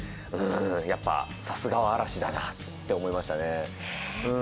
やっぱさすがは嵐だなと思いましたね。